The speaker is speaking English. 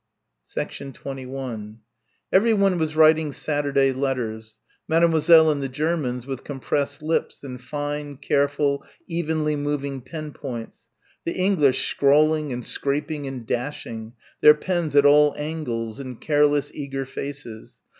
21 Everyone was writing Saturday letters Mademoiselle and the Germans with compressed lips and fine careful evenly moving pen points; the English scrawling and scraping and dashing, their pens at all angles and careless, eager faces.